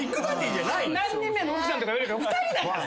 「何人目の奥さん？」とか言われるけど２人だから。